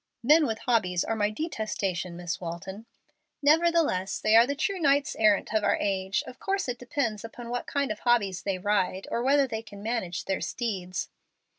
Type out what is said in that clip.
"Men with hobbies are my detestation, Miss Walton." "Nevertheless, they are the true knights errant of our age. Of course it depends upon what kind of hobbies they ride, or whether they can manage their steeds."